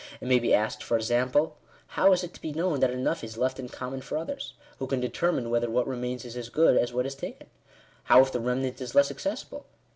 It may be asked, for example — How is it to be known that enough is "left in common for othera?" Who can determine whether what remains is " as good" as what is taken ? How if the remnant is less accessible